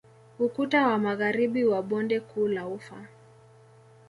Ukuta wa magharibi wa bonde kuu la ufa